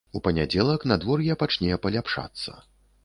У панядзелак надвор'е пачне паляпшацца.